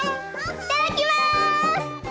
いただきます！